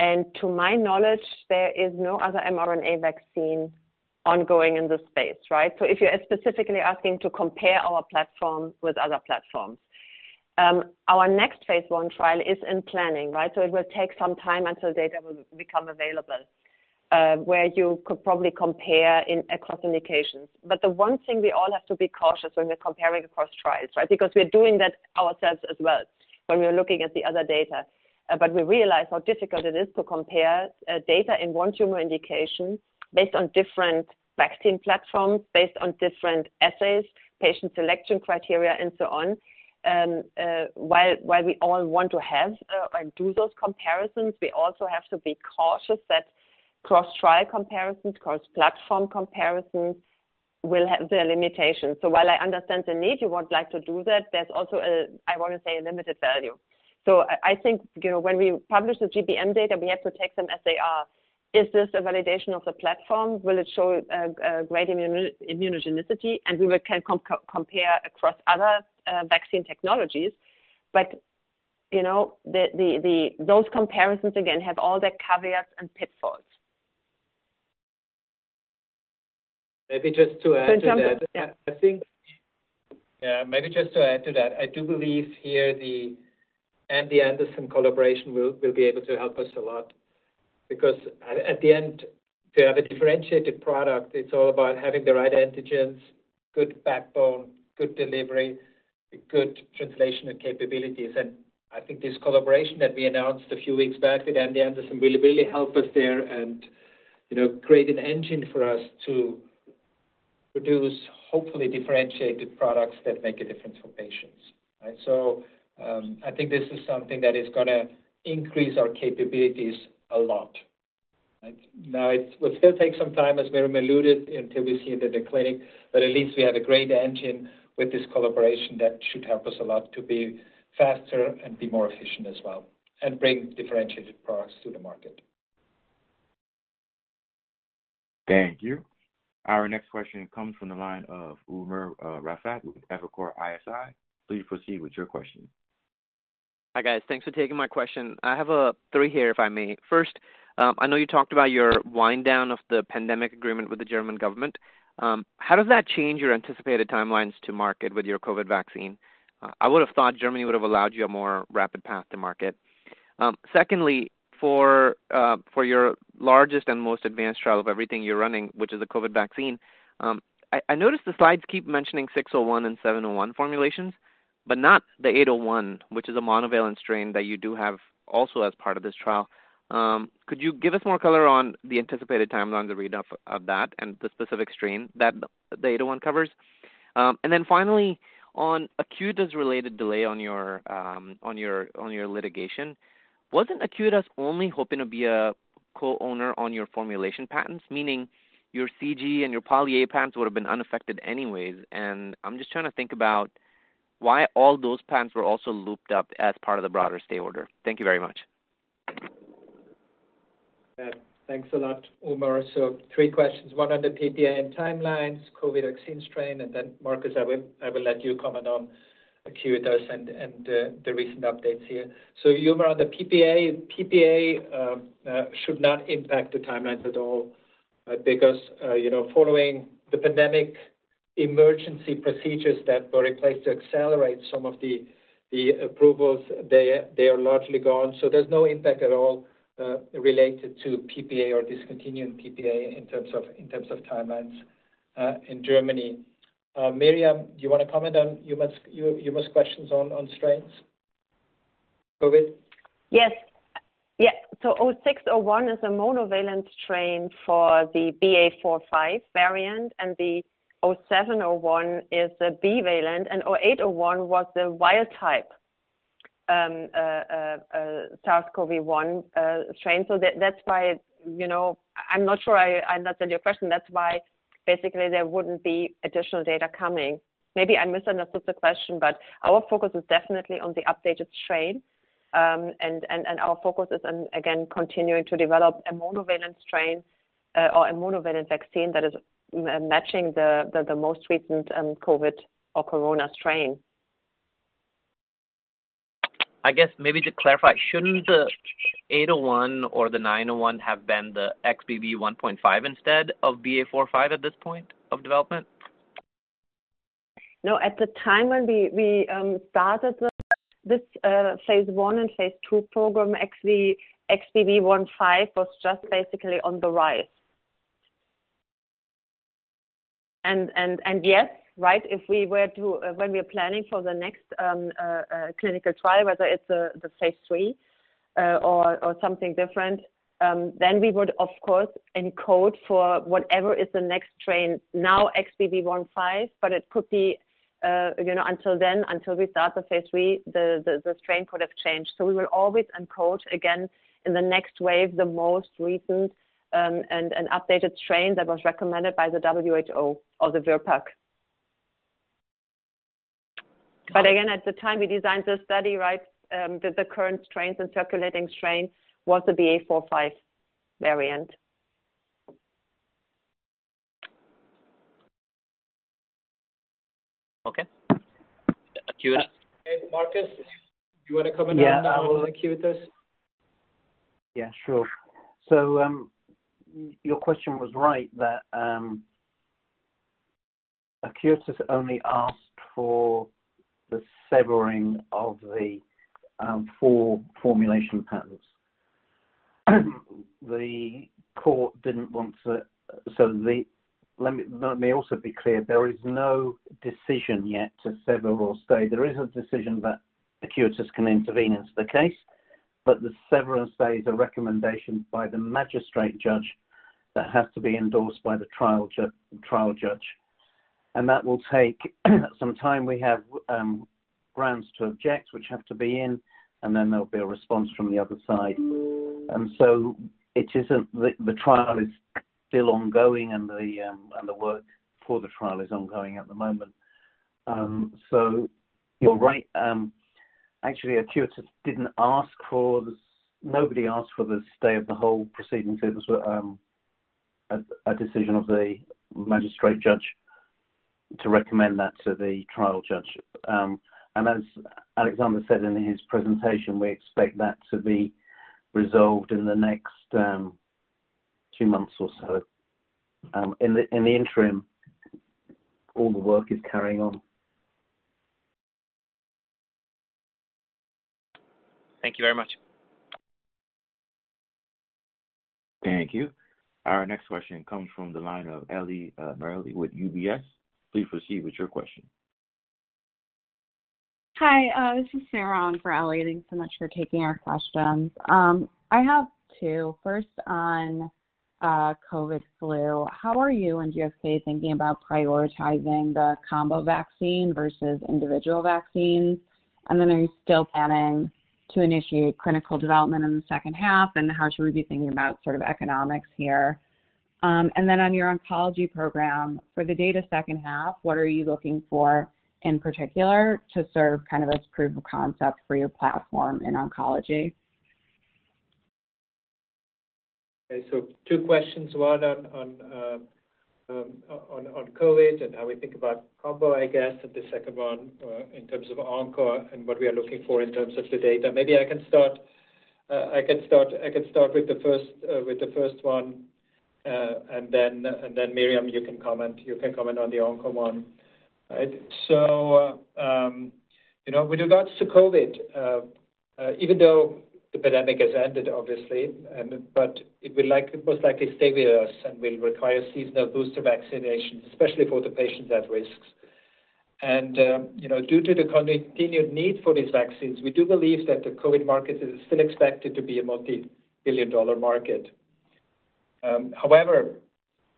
To my knowledge, there is no other mRNA vaccine ongoing in this space, right? So if you're specifically asking to compare our platform with other platforms, our next phase I trial is in planning, right? So it will take some time until data will become available where you could probably compare across indications. But the one thing we all have to be cautious when we're comparing across trials, right, because we're doing that ourselves as well when we're looking at the other data. But we realize how difficult it is to compare data in one tumor indication based on different vaccine platforms, based on different assays, patient selection criteria, and so on. While we all want to have and do those comparisons, we also have to be cautious that cross-trial comparisons, cross-platform comparisons will have their limitations. So while I understand the need you would like to do that, there's also a, I want to say, limited value. So I think when we publish the GBM data, we have to take them as they are. Is this a validation of the platform? Will it show great immunogenicity? And we can compare across other vaccine technologies. But those comparisons, again, have all their caveats and pitfalls. Maybe just to add to that. Yeah. I think. Yeah. Maybe just to add to that, I do believe here the MD Anderson collaboration will be able to help us a lot because at the end, to have a differentiated product, it's all about having the right antigens, good backbone, good delivery, good translational capabilities. And I think this collaboration that we announced a few weeks back with MD Anderson really, really helped us there and created an engine for us to produce, hopefully, differentiated products that make a difference for patients, right? So I think this is something that is going to increase our capabilities a lot, right? Now, it will still take some time, as Myriam alluded, until we see it in the clinic, but at least we have a great engine with this collaboration that should help us a lot to be faster and be more efficient as well and bring differentiated products to the market. Thank you. Our next question comes from the line of Umer Raffat with Evercore ISI. Please proceed with your question. Hi, guys. Thanks for taking my question. I have three here, if I may. First, I know you talked about your wind-down of the pandemic agreement with the German government. How does that change your anticipated timelines to market with your COVID vaccine? I would have thought Germany would have allowed you a more rapid path to market. Secondly, for your largest and most advanced trial of everything you're running, which is the COVID vaccine, I noticed the slides keep mentioning 601 and 701 formulations, but not the 801, which is a monovalent strain that you do have also as part of this trial. Could you give us more color on the anticipated timelines and readout of that and the specific strain that the 801 covers? And then finally, on Acuitas-related delay on your litigation, wasn't Acuitas only hoping to be a co-owner on your formulation patents, meaning your CG and your poly-A patents would have been unaffected anyways? And I'm just trying to think about why all those patents were also looped up as part of the broader stay order. Thank you very much. Yeah. Thanks a lot, Umer. So three questions. One on the PPA and timelines, COVID vaccine strain, and then, Marcus, I will let you comment on Acuitas and the recent updates here. So Umer, on the PPA, PPA should not impact the timelines at all because following the pandemic, emergency procedures that were in place to accelerate some of the approvals, they are largely gone. So there's no impact at all related to PPA or discontinuing PPA in terms of timelines in Germany. Myriam, do you want to comment on Umer's questions on strains? Go ahead. Yes. Yeah. So 0601 is a monovalent strain for the BA.4/5 variant, and the 0701 is a bivalent, and 0801 was the wild-type SARS-CoV-2 strain. So that's why I'm not sure I understand your question. That's why, basically, there wouldn't be additional data coming. Maybe I misunderstood the question, but our focus is definitely on the updated strain, and our focus is on, again, continuing to develop a monovalent strain or a monovalent vaccine that is matching the most recent COVID or corona strain. I guess maybe to clarify, shouldn't the 801 or the 901 have been the XBB.1.5 instead of BA.4/5 at this point of development? No. At the time when we started this phase I and phase II program, actually, XBB.1.5 was just basically on the rise. And yes, right, if we were to when we are planning for the next clinical trial, whether it's the phase III or something different, then we would, of course, encode for whatever is the next strain, now XBB.1.5, but it could be until then, until we start the phase III, the strain could have changed. So we will always encode, again, in the next wave, the most recent and updated strain that was recommended by the WHO or the VRBPAC. But again, at the time we designed this study, right, the current strains and circulating strain was the BA.4/5 variant. Okay. Acuitas? Marcus, do you want to comment on Acuitas? Yeah. Sure. So your question was right that Acuitas only asked for the severing of the four formulation patents. The court didn't want to, so let me also be clear. There is no decision yet to sever or stay. There is a decision that Acuitas can intervene into the case, but the sever and stay is a recommendation by the magistrate judge that has to be endorsed by the trial judge. And that will take some time. We have grounds to object, which have to be in, and then there'll be a response from the other side. And so the trial is still ongoing, and the work for the trial is ongoing at the moment. So you're right. Actually, Acuitas didn't ask for the nobody asked for the stay of the whole proceedings. It was a decision of the magistrate judge to recommend that to the trial judge. And as Alexander said in his presentation, we expect that to be resolved in the next two months or so. In the interim, all the work is carrying on. Thank you very much. Thank you. Our next question comes from the line of Eli Merle with UBS. Please proceed with your question. Hi. This is Sarah on for Eli. Thanks so much for taking our questions. I have two. First, on COVID/flu, how are you and GSK thinking about prioritizing the combo vaccine versus individual vaccines? And then are you still planning to initiate clinical development in the second half, and how should we be thinking about sort of economics here? And then on your oncology program, for the data second half, what are you looking for in particular to serve kind of as proof of concept for your platform in oncology? Okay. So two questions. One on COVID and how we think about combo, I guess, and the second one in terms of Onco and what we are looking for in terms of the data. Maybe I can start with the first one, and then, Myriam, you can comment on the Onco one, right? So with regards to COVID, even though the pandemic has ended, obviously, but it will most likely stay with us, and we'll require seasonal booster vaccinations, especially for the patients at risk. And due to the continued need for these vaccines, we do believe that the COVID market is still expected to be a multi-billion-dollar market. However,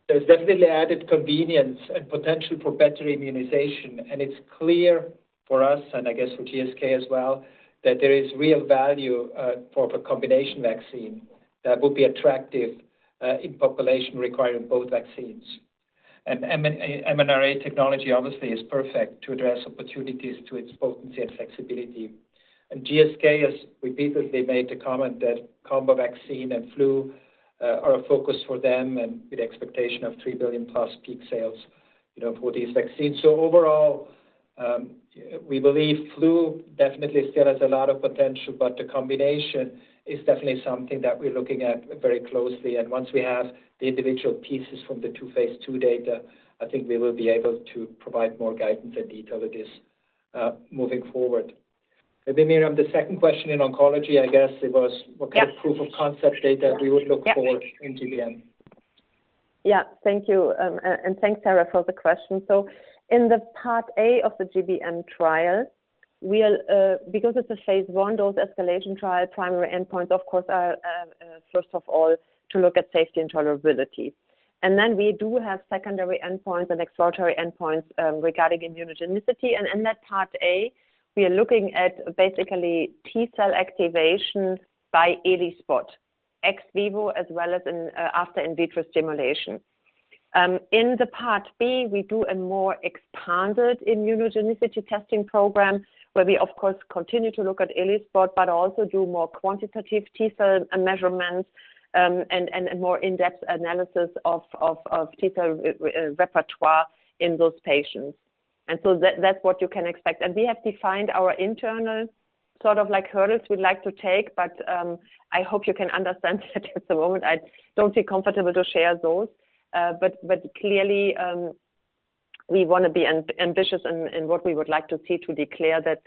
there's definitely added convenience and potential for better immunization, and it's clear for us, and I guess for GSK as well, that there is real value for a combination vaccine that would be attractive in population requiring both vaccines. And mRNA technology, obviously, is perfect to address opportunities to its potency and flexibility. GSK has repeatedly made the comment that combo vaccine and flu are a focus for them and with the expectation of 3 billion-plus peak sales for these vaccines. So overall, we believe flu definitely still has a lot of potential, but the combination is definitely something that we're looking at very closely. Once we have the individual pieces from the two phase II data, I think we will be able to provide more guidance and detail to this moving forward. Maybe, Myriam, the second question in oncology, I guess, it was what kind of proof of concept data we would look for in GBM. Yeah. Thank you. And thanks, Sarah, for the question. So in the Part A of the GBM trial, because it's a phase I dose escalation trial, primary endpoints, of course, are, first of all, to look at safety and tolerability. We do have secondary endpoints and exploratory endpoints regarding immunogenicity. In that Part A, we are looking at basically T-cell activation by ELISpot ex vivo as well as after in vitro stimulation. In the Part B, we do a more expanded immunogenicity testing program where we, of course, continue to look at ELISpot but also do more quantitative T-cell measurements and a more in-depth analysis of T-cell repertoire in those patients. That's what you can expect. We have defined our internal sort of hurdles we'd like to take, but I hope you can understand that at the moment, I don't feel comfortable to share those. Clearly, we want to be ambitious in what we would like to see to declare that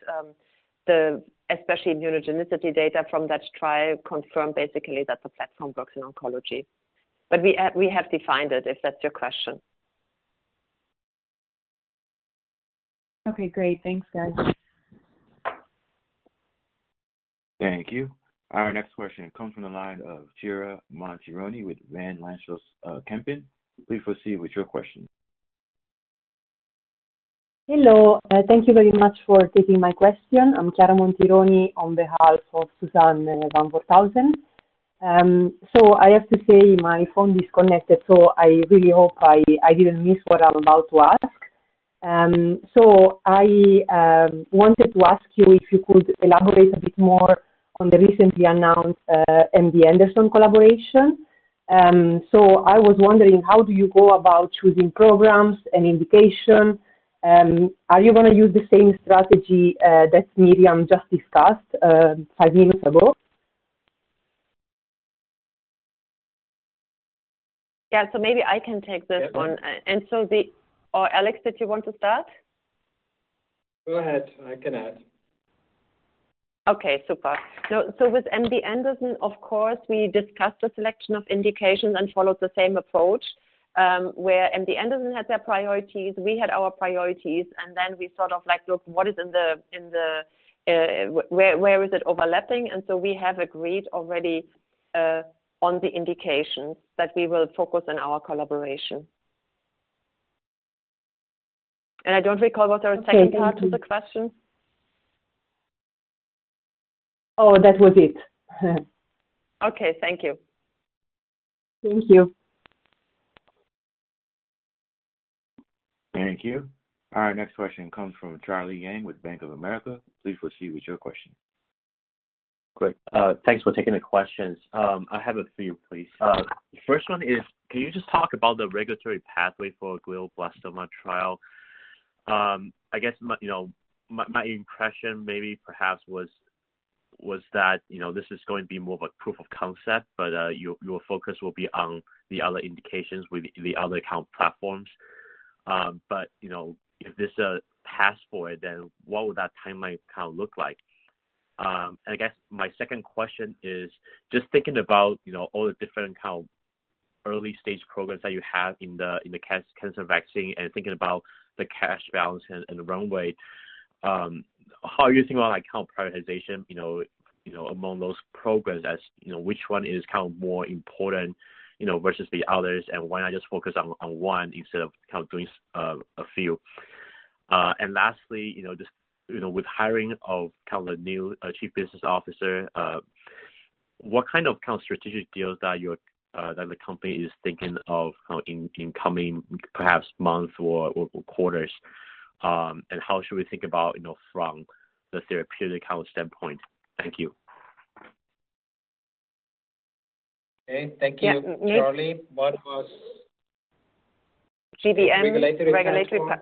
especially immunogenicity data from that trial confirm, basically, that the platform works in oncology. But we have defined it, if that's your question. Okay. Great. Thanks, guys. Thank you. Our next question comes from the line of Chiara Montironi with Van Lanschot Kempen. Please proceed with your question. Hello. Thank you very much for taking my question. I'm Chiara Montironi on behalf of Van Lanschot Kempen. So I have to say my phone disconnected, so I really hope I didn't miss what I'm about to ask. So I wanted to ask you if you could elaborate a bit more on the recently announced MD Anderson collaboration. So I was wondering, how do you go about choosing programs and indication? Are you going to use the same strategy that Myriam just discussed five minutes ago? Yeah. So maybe I can take this one. And so, Alex, did you want to start? Go ahead. I can add. Okay. Super. So with MD Anderson, of course, we discussed the selection of indications and followed the same approach where MD Anderson had their priorities, we had our priorities, and then we sort of looked, "What is in the where is it overlapping?" And so we have agreed already on the indications that we will focus on our collaboration. And I don't recall what the second part of the question. Oh, that was it. Okay. Thank you. Thank you. Thank you. Our next question comes from Charlie Yang with Bank of America. Please proceed with your question. Great. Thanks for taking the questions. I have a few, please. The first one is, can you just talk about the regulatory pathway for glioblastoma trial? I guess my impression, maybe, perhaps, was that this is going to be more of a proof of concept, but your focus will be on the other indications with the other account platforms. But if this passed for it, then what would that timeline kind of look like? And I guess my second question is, just thinking about all the different kind of early-stage programs that you have in the cancer vaccine and thinking about the cash balance and runway, how are you thinking about account prioritization among those programs as which one is kind of more important versus the others, and why not just focus on one instead of kind of doing a few? And lastly, just with hiring of kind of the new chief business officer, what kind of strategic deals that the company is thinking of in coming, perhaps, months or quarters, and how should we think about from the therapeutic kind of standpoint? Thank you. Okay. Thank you, Charlie. What was the regulatory path?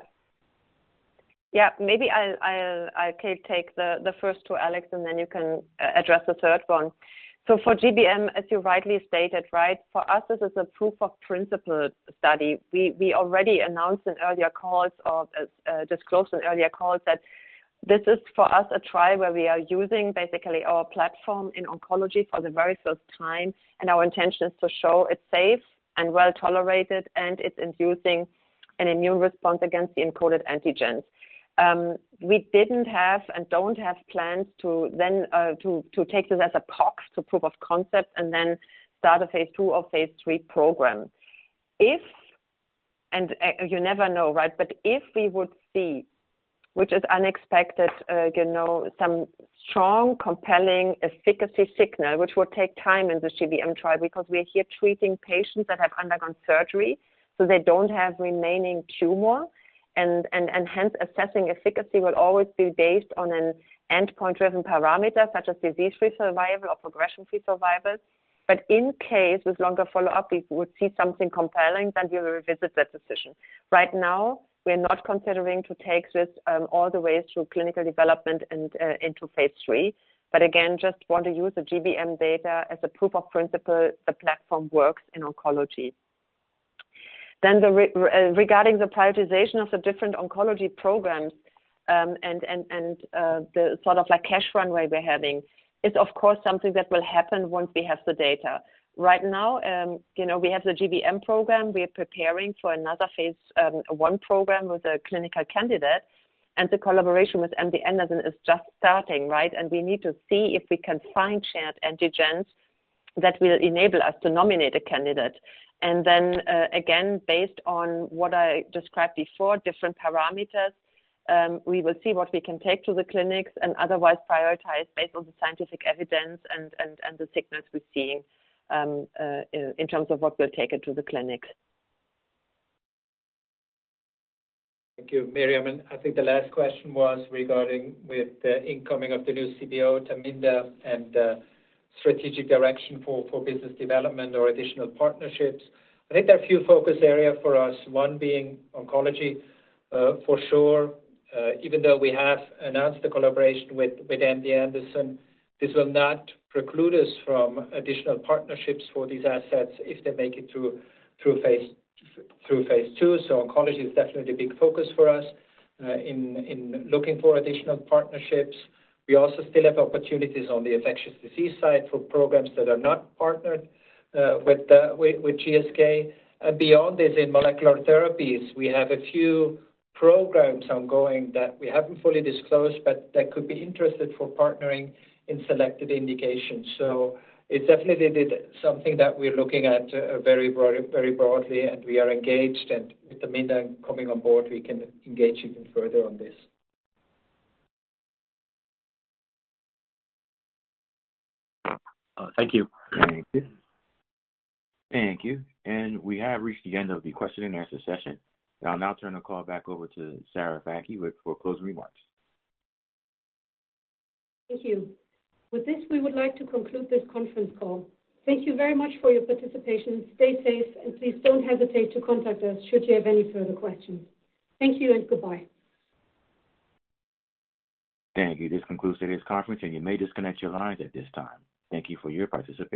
Yeah. Maybe I could take the first two, Alex, and then you can address the third one. So for GBM, as you rightly stated, right, for us, this is a proof of principle study. We already announced in earlier calls or disclosed in earlier calls that this is, for us, a trial where we are using, basically, our platform in oncology for the very first time, and our intention is to show it's safe and well-tolerated, and it's inducing an immune response against the encoded antigens. We didn't have and don't have plans to then take this as a POC to proof of concept, and then start a phase II or phase III program. And you never know, right? But if we would see, which is unexpected, some strong, compelling efficacy signal, which would take time in the GBM trial because we are here treating patients that have undergone surgery, so they don't have remaining tumor, and hence, assessing efficacy will always be based on an endpoint-driven parameter such as disease-free survival or progression-free survival. But in case with longer follow-up, we would see something compelling, then we will revisit that decision. Right now, we are not considering to take this all the way through clinical development and into phase III, but again, just want to use the GBM data as a proof of principle the platform works in oncology. Then regarding the prioritization of the different oncology programs and the sort of cash runway we're having is, of course, something that will happen once we have the data. Right now, we have the GBM program. We are preparing for another phase I program with a clinical candidate, and the collaboration with MD Anderson is just starting, right? And we need to see if we can find shared antigens that will enable us to nominate a candidate. And then again, based on what I described before, different parameters, we will see what we can take to the clinics and otherwise prioritize based on the scientific evidence and the signals we're seeing in terms of what we'll take it to the clinics. Thank you, Myriam. And I think the last question was regarding with the incoming of the new CBO, Thaminda, and strategic direction for business development or additional partnerships. I think there are a few focus areas for us, one being oncology for sure. Even though we have announced the collaboration with MD Anderson, this will not preclude us from additional partnerships for these assets if they make it through phase II. So oncology is definitely a big focus for us in looking for additional partnerships. We also still have opportunities on the infectious disease side for programs that are not partnered with GSK. And beyond this, in molecular therapies, we have a few programs ongoing that we haven't fully disclosed but that could be interested for partnering in selected indications. So it's definitely something that we're looking at very broadly, and we are engaged. And with Thaminda coming on board, we can engage even further on this. Thank you. Thank you. Thank you. And we have reached the end of the question-and-answer session. I'll now turn the call back over to Sarah Fakih for closing remarks. Thank you. With this, we would like to conclude this conference call. Thank you very much for your participation. Stay safe, and please don't hesitate to contact us should you have any further questions. Thank you, and goodbye. Thank you. This concludes today's conference, and you may disconnect your lines at this time. Thank you for your participation.